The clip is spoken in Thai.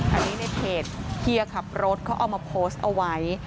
อันนี้ในเพจเฮียขับรถเขาเอามาโพสต์เอาไว้